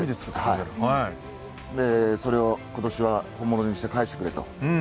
それを今年は本物にして返してくれと。